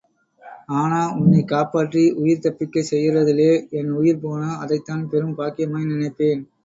ஆனா, உன்னைக் காப்பாற்றி உயிர் தப்பிக்கச் செய்யறதிலே என் உயிர் போனா, அதைத்தான் பெரும் பாக்கியமாய் நினைப்பேன்.